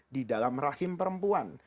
di dalam rahim perempuan